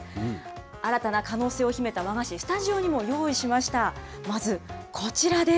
新たな可能性を秘めた和菓子、スタジオにも用意しました。